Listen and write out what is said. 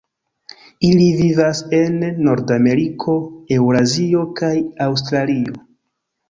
Ili vivas en Nordameriko, Eŭrazio kaj Aŭstralio.